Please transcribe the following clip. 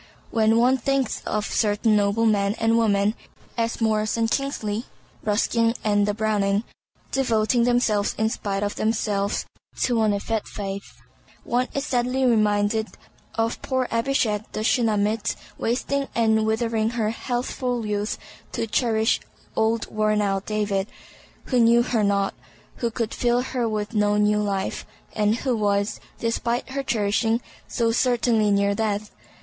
When one thinks of certain noble men and women—as Maurice and Kingsley, Ruskin and the Browning—devoting themselves in spite of themselves to an effete faith, one is sadly reminded of poor Abishag the Shunammite wasting and withering her healthful youth to cherish old worn out David, "who knew her not," who could fill her with no new life, and who was, despite her cherishing, so certainly near death.